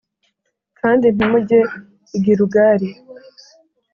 kandi ntimujye i Gilugali